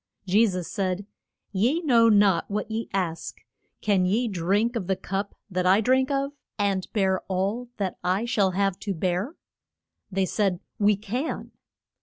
Je sus said, Ye know not what ye ask. Can ye drink of the cup that I drink of, and bear all that I shall have to bear? They said, We can.